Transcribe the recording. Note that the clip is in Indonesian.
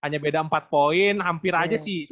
hanya beda empat poin hampir aja sih